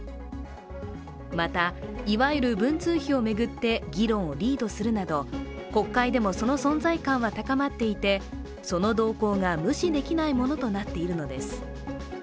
また、いわゆる文通費を巡って議論をリードするなど国会でもその存在感は高まっていてその動向が無視できないものとなっているのです。